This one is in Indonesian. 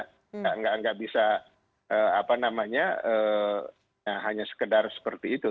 tidak bisa hanya sekedar seperti itu